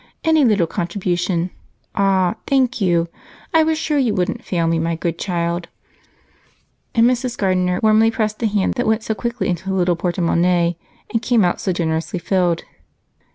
Any little contribution ah, thank you, I was sure you wouldn't fail me, my good child," and Mrs. Gardener warmly pressed the hand that went so quickly into the little porte monnaie and came out so generously filled.